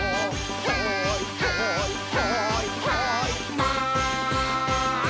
「はいはいはいはいマン」